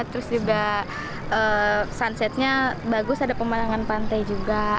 terus juga sunsetnya bagus ada pemandangan pantai juga